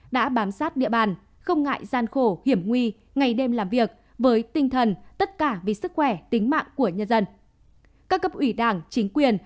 đã bám sát địa bàn không ngại gian khổ hiểm nguy ngày đêm làm việc với tinh thần tất cả vì sức khỏe tính mạng của nhân dân